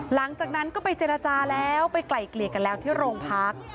หลังจากนั้นก็ไปเจรจาแล้วไปไกลเกลี่ยกันแล้วที่โรงพัก